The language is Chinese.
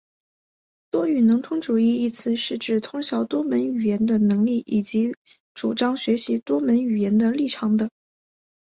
多语能通主义一词是指通晓多门语言的能力以及主张学习多门语言的立场等。